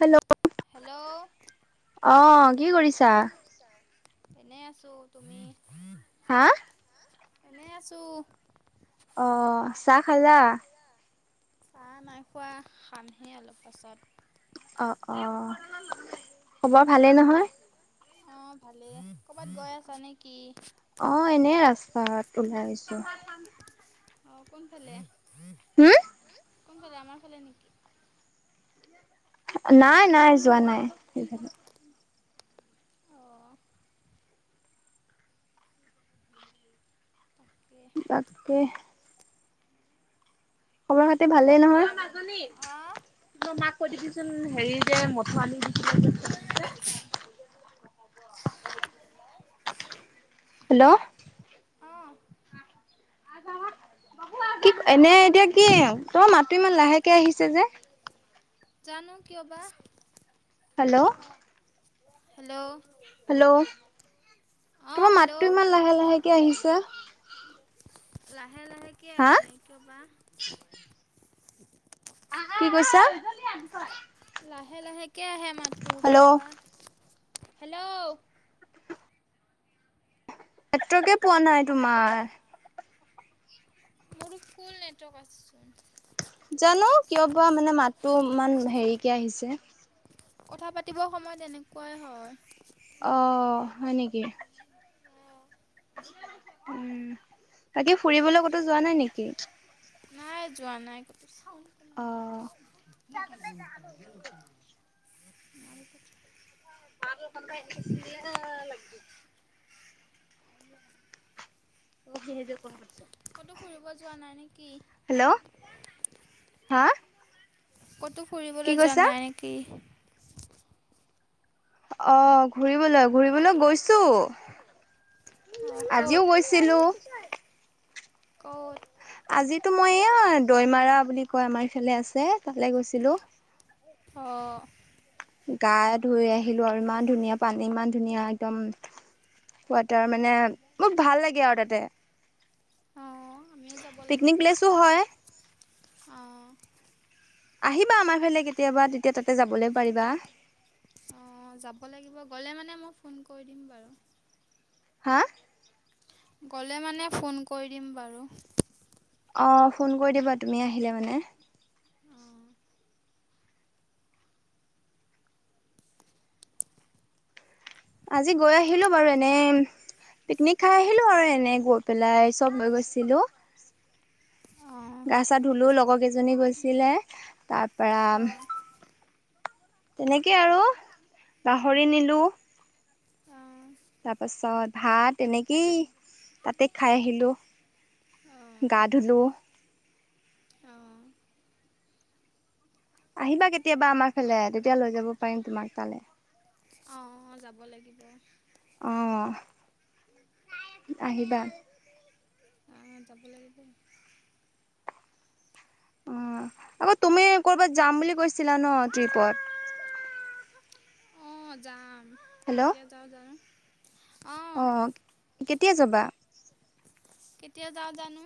Hello? Hello আহ কি কৰিছা? কি চা? এনেই আছো। তুমি? হা? হাঁ? এনেই আছো। অ আছ চাহ খালা? চাহ নাই খোৱা খামহে অলপ পাছত। অ অ, খবৰ ভালেই নহয়? অ ভালেই। কৰ'বাত গৈ আছা নেকি? অ এনেই ৰাস্তাত ওলাই আহিছো। অঁ কোনফালে? হুম? হুম কোনফালে আমাৰ ফালে নেকি? নাই নাই যোৱা নাই সেইফালে। অঁ তাকে তাকে। খবৰ খাতি ভালেই ক'ৰবাত নহয়? ফুৰিব অঁ তই মাক কৈ দেখিচোন হেৰি যে মঠু আনি দিছে। হেল্ল'? অঁ কি এনে এতিয়া কি তোমাৰ মাতো ইমান লাহেকে আহিছে যে? জানো কিয় বা? হেল্ল'? হেল্ল'? হেল্ল? ' অঁ তোমাৰ মাতটো হেল্ল' ইমান লাহে লাহেকে আহিছো? লাহে লাহেকে আহে কিয় বা? এ এ [unintelligible] কি কৈছা? লাহে লাহেকৈ আহে মাতো কিয় হেল্ল' বা হেল্ল'? নেটৱৰ্কে পোৱা নাই তোমাৰ? মোৰতো ফুল নেটৱৰ্ক আছেচোন। জানো কিয় বা মানে মাততো ইমান হেৰিকে আহিছে। কথা পাতিব সময়ত এনেকুৱাই হয়। অ, হয় নেকি? অঁ উম, বাকি ফুৰিবলৈ ক'তো যোৱা নাই নেকি? নাই যোৱা নাই কতো অ [unintelligible] কি খাই [unintelligible] [unintelligible] কোনখিনিতে কথা পাতিছ? ক'তো ফুৰিব যোৱা নাই নেকি? হেল্ল', হা? ক'তো কি ফুৰিবলৈ যোৱা কৈছা? নাই নেকি? অ, ঘুৰিবলৈ -ঘূৰিবলৈ গৈছো অ ক'ত আজিও গৈছ ছিলো। ক'ত? আজিতো মই এইয়া দৈমাৰা বুলি কয় আমাৰ ইফালে আছে তালে গৈছিলোঁ। অ', গা ধুই আহিলোঁ আৰু ইমান ধুনীয়া পানী ইমান ধুনীয়া একদম ৱাটাৰ মানে মোক ভাল লাগে আৰু তাতে। অ আমিও যাব পিকনিক লাগিব প্লেচো হয়। অ, আহিবা আমাৰ ফালে কেতিয়াবা তেতিয়া তাতে যাবলে পাৰিবা। অ, যাব লাগিব গ'লে মানে মই ফোন কৰি দিম বাৰু। হা? গ'লে মানে ফোন কৰি দিম বাৰু। অ, ফোন কৰি দিবা তুমি আহিলে মানে। অ আজি গৈ আহিলোঁ বাৰু এনে পিকনিক খাই আহিলোঁ আৰু এনেই গৈ পেলাই চব গৈ গৈছিলোঁ। অ গা চা ধুলো লগৰ কেইজনী গৈছিলে তাৰ অ পেৰাম তেনেকে আৰু গাহৰি নিলোঁ। অ তাৰ পাছত ভাত এনেকেই তাতে খাই আহিলোঁ। গা ধুলোঁ। অ', আহিবা কেতিয়াবা আমাৰ ফালে তেতিয়া লৈ যাব পাৰিম তোমাক তালে। অ অ, যাব লাগিব। অ, আহিবা। আহ, যাব লাগিব। অ' আকৌ তুমি কৰবাত যাম বুলি কৈছিলা ন' ট্ৰিপত? অ, যাম হেল্ল' কেতিয়া যাওঁ জানো অ, কেতিয়া যাবা? কেতিয়া যাওঁ জানো।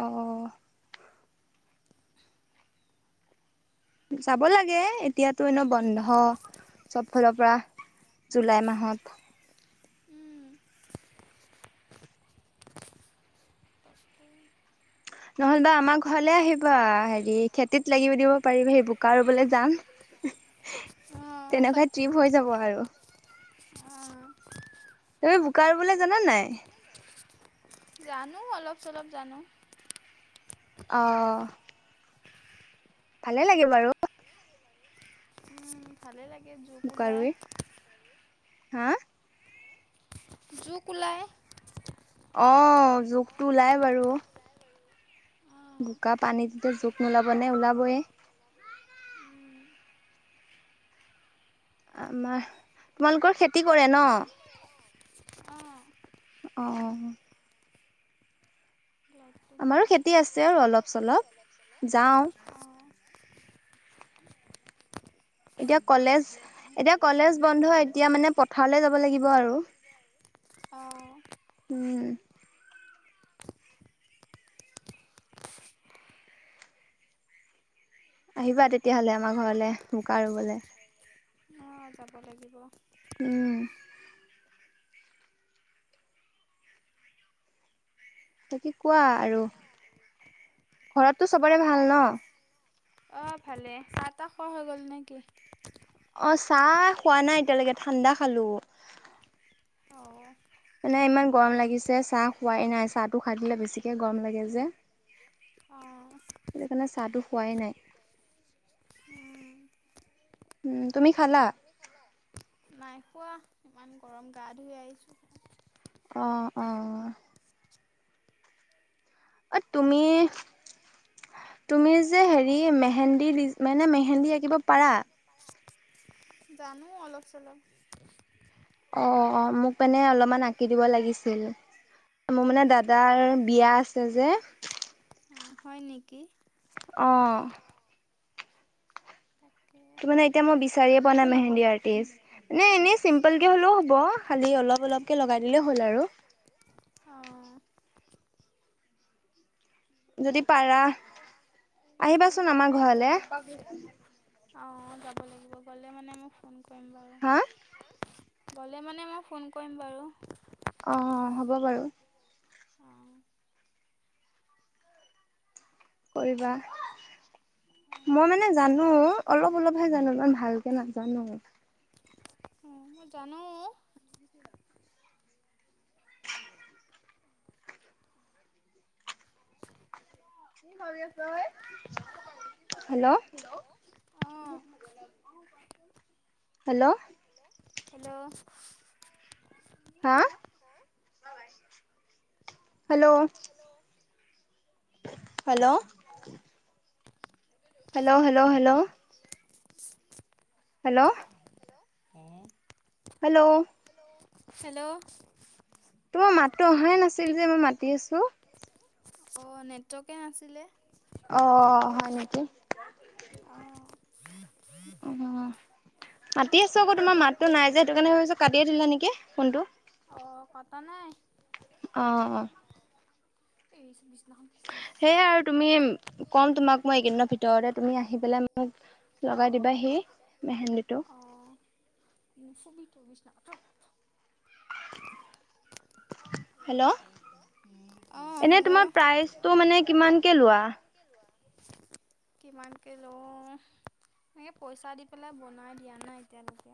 অ', যাব লাগে এতিয়াতো এনেও বন্ধ চব ফালৰ পৰা। জুলাই মাহত। উম, [unintelligible] নহলেবা আমাৰ ঘৰলে আহিবা হেৰি খেতিত লাগিব দিব পাৰিবা সেই বোকা ৰুবলে যাম। [inaudible] উহ, অ', তেনেকুৱা ট্ৰিপ হৈ যাব আৰু। আহ, তুমি বোকা ৰোবলে জানা নাই? জানো অলপ চলপ জানো। অ'। ভালে লাগে বাৰু। ভালেই লাগে জোক বোকা ওলাই। ৰুই। হা। জোক ওলাই। অ', জোকটো ওলাই বাৰু। অ', বোকা পানীটোতে জোক নোলাবনে ওলাবয়ে। উম, আমাৰ, তোমালোকৰ খেতি কৰে ন। অ', অ'- অ'। লাইটটো গ'ল। আমাৰো খেতি আছে আৰু অলপ চলপ, যাওঁ। অ', এতিয়া কলেজ এতিয়া কলেজ বন্ধ এতিয়া মানে পথাৰলে যাব লাগিব আৰু। অ'। উম। আহিবা তেতিয়াহ'লে আমাৰ ঘৰলে, বোকা ৰুবলে। অ', যাব লাগিব। উম। তাকে কোৱা আৰু। ঘৰততো চাহ চবৰে ভাল তাহ, ন? অ', ভালে চাহ তাহ খুৱা হৈ গ'ল নে কি? অ', চাহ খোৱা নাই এতিয়ালেকে ঠাণ্ডা খালো। অ'। মানে ইমান গৰম লাগিছে চাহ খোৱাই নাই, চাহটো খাই দিলে বেছিকে গৰম লাগে যে। অ'। সেইটো কাৰণে চাহটো খোৱাই নাই। উম। উম, তুমি খালা। তুমি খালা। নাই খোৱা ইমান গৰম গা ধুই আহিছো। অ', অ'। অ', তুমি তুমি যে হেৰি মেহেন্দী দি মানে মেহেন্দী আঁকিব পাৰা। জানো অলপ চলপ। অ', অ', মোক মানে অলপমান আঁকি দিব লাগিছিল। মোৰ মানে দাদাৰ বিয়া আছে যে। অ', হয় নেকি। অ'। তাকে। ত' মানে এতিয়া মই বিচাৰিয়ে পোৱা নাই মেহেন্দী আৰ্টিষ্ট। মানে এনেই চিম্পলকে হ'লেও হ'ব, খালি অলপ অলপকে লগাই দিলেই হ'ল আৰু। অ'। যদি পাৰা, আহিবাচোন আমাৰ ঘৰলে। অ', যাব লাগ গিব গ'লে মানে মই ফোন কৰিম বাৰু, হা গ'লে মানে মই ফোন কৰিম বাৰু। অ', অ', হ'ব বাৰু। অঁ কৰিবা। মই মানে জানো, অলপ অলপহে জানো ইমান ভালকে নাজানো। অঁ মই জানো [unintelligible] হেল্ল'। অঁ হেল্ল'। হেল্ল'। হা? Hello? Hello? Hello hello hello? Hello? অঁ। হেল্ল'? হেল্ল'? তোমাৰ মাততো অহাই নাছিল যে মই মাতি আছো? অঁ নেটৱকে নাছিলে। অ হয় নেকি? আহ। অ। [inaudible] মাতি আছো আকৌ তোমাৰ মাতটো নাই যে, সেইটো কাৰণে ভাবিছো কাটিয়ে দিলা নেকি ফোনটো? অঁ কটা নাই। অ অ। এই বিছনাখন খেচি সেয়াই দিছাচোন আৰু তুমি কম তোমাক মই এইকেইদিনৰ ভিতৰতে তুমি আহি পেলাই মোক লগাই দিবা হি মেহেন্দীটো। নুঠিবি তই বিছনাত আঁতৰ - আঁতৰ। হেল্ল'? অঁ এনে হেল্ল' তোমাৰ প্ৰাইজটো মানে কিমানকে লোৱা? কিমানকে লওঁ, এনেকে পইচা দি পেলাই বনাই দিয়া নাই এতিয়ালেকে।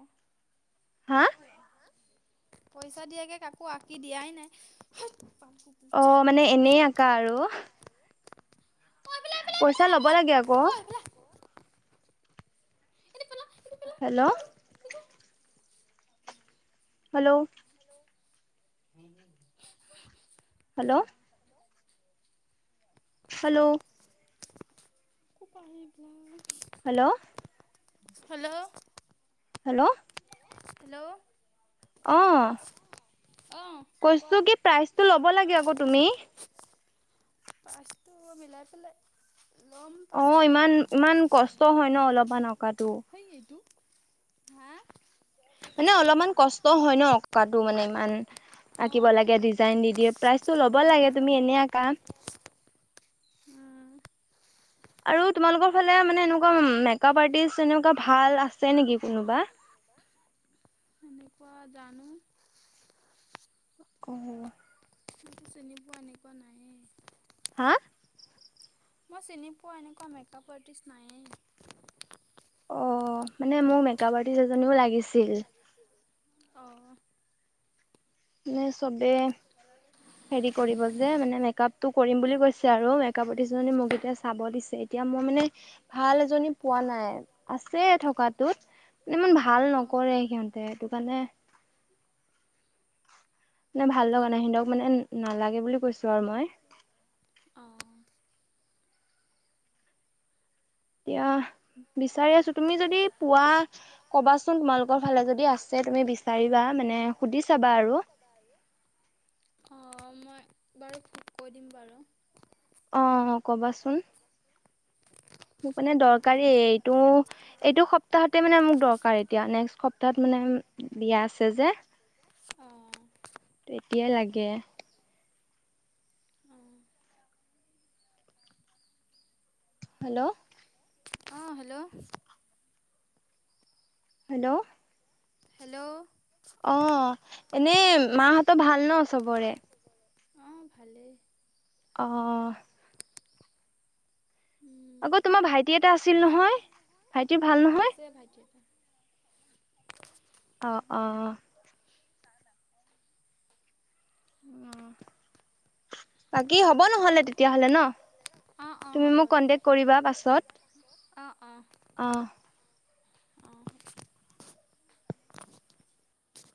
হা? পইচা দিয়াকে কাকো আঁকি দিয়াই নাই। হু পাকো। অ মানে এনেই আঁকা আৰু? পইচা লব লাগে আক। হেল্ল'? হেল্ল'? উম উম চু হু hello? Hello? [unintelligible] Hello? Hello? Hello? Hello? অ, অ', কোৱা। কৈছো কি প্ৰাইজটো ল'ব লাগে আক তুমি? পাঁচটো মিলাই পেলাই ল'ম অ পাছত। ইমান ইমান কষ্ট হয় ন অলপমান অঁকাটো সেই এইটো, হা? মানে অলপমান কষ্ট হয় আঁকাটো মানে ইমান। আঁকিব অ', লাগে, ডিজাইন দি দিয়ে, প্ৰাইজটো ল'ব কষ্টটো হয় লাগে তুমি বাৰু। এনে আঁকা। উম, আৰু তোমালোকৰ ফালে মানে এনেকুৱা মেকপ আৰ্টিষ্ট এনেকুৱা ভাল আছে নেকি কোনোবা? পোৱা জানো! অ। মোৰটো চিনি পোৱা এনেকুৱা নাইয়েই। হা? মই চিনি পোৱা এনেকুৱা মেকআপ আৰ্টিষ্ট নাইয়েই। অ মানে মোক মেকআপ আৰ্টিষ্ট এজনীও লাগিছিল। অঁ। মে চবে হেৰি কৰিব যে, মানে মেকআপটো কৰিম বুলি কৈছে আৰু মেকপ আৰ্টিষ্টজনী মোক এতিয়া চাব দিছে। এতিয়া মই মানে ভাল এজনী পোৱা নাই আছে থকাটোত। ইমান ভাল অ', নকৰে সিহঁতে সেইটো কাৰণে নে ভাল লগা নাই সিহঁতক মানে নালাগে বুলি কৈছো আৰু মই। অ অ। এতিয়া বিচাৰি আছো তুমি যদি পুৱা ক'বাচোন তোমালোকৰ ফালে যদি আছে তুমি বিচাৰিবা মানে সুধি চাবা আৰু? অ মই বাৰু কৈ দিম বাৰু। অ কবাচোন? মোক মানে দৰকাৰী এইটো এইটো সপ্তাহতে মানে মোক দৰকাৰ এতিয়া নেক্সট সপ্তাহত মানে বিয়া আছে যে অঁ অঁ এতিয়াই লাগে। অঁ। হেল্ল? অঁ হেল্ল। হেল্ল? হেল্ল? অ এনেই মাহঁতৰ ভাল ন চবৰে! অঁ ভালেই। অঁহ। আকৌ তোমাৰ ভাইটি এটা আছিল নহয়? ভাইটিৰ ভাল ন অঁ আছে ভাইটি এটা। অঁ অঁ। বাকী হ'ব নহলে তেতিয়াহ'লে ন, তুমি মোক কন্টেক কৰিবা পাছত। অ অ। অঁ। অ।